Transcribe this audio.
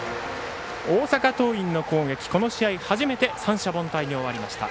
大阪桐蔭の攻撃、この試合初めて三者凡退に終わりました。